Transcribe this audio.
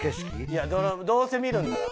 いやどうせ見るんなら。